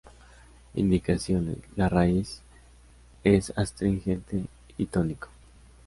Indicaciones: La raíz es astringente y tónico.